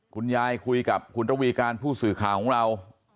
คุณยายคุยกับคุณระวีการผู้สื่อข่าวของเรา